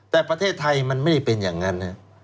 แต่ประเทศไทยมันไม่ได้เป็นอย่างนั้น